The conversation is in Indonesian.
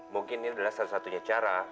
mungkin ini adalah satu satunya cara